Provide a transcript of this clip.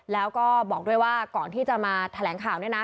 แล้วก็บอกด้วยว่าก่อนที่จะมาแถลงข่าวเนี่ยนะ